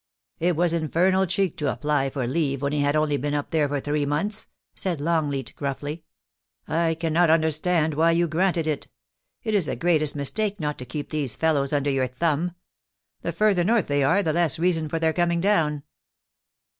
' It was infernal cheek to apply for leave when he had only been up there for three months,' said Longleat, gruffly ;* I cannot understand why >'ou granted it It is the greatest mistake not to keep these fellows under your thumbi The fiuther north they are, the less reason for their coming down.'